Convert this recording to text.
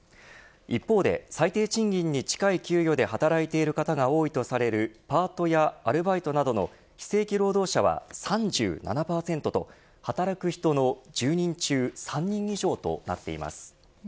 一方で、最低賃金に近い給与で働いている方が多いとされるパートやアルバイトなどの非正規労働者は３７％と働く人の１０人中３人以上となっています。